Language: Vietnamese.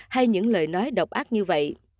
hay những lời nói độc ác như vậy